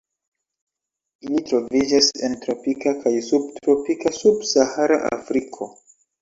Ili troviĝas en tropika kaj subtropika sub-Sahara Afriko.